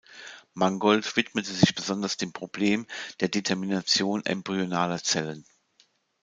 Mangold widmete sich besonders dem Problem der Determination embryonaler Zellen.